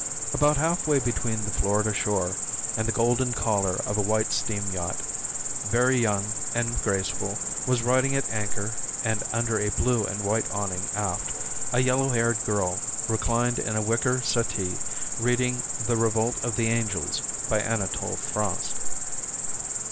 About half way between the Florida shore and the golden collar a white steam yacht, very young and graceful, was riding at anchor and under a blue and white awning aft a yellow haired girl reclined in a wicker settee reading The Revolt of the Angels, by Anatole France.